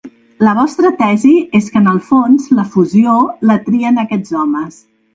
La vostra tesi és que en el fons la fusió la trien aquests homes.